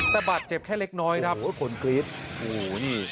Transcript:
ตะบัดเจ็บแค่เล็กน้อยครับโหคนครีดโอ้โฮนี่